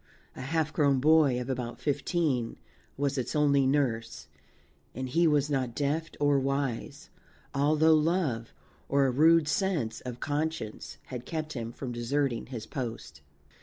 A half grown boy of about fifteen was its only nurse, and he was not deft or wise, although love, or a rude sense of conscience, had kept him from deserting his post.